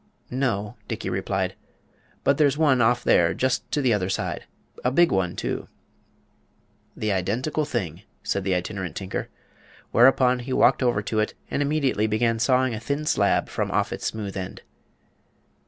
"No," Dickey replied. "But there's one off there, just to the other side. A big one, too." "The identical thing," said the Itinerant Tinker. Whereupon he walked over to it and immediately began sawing a thin slab from off its smooth end.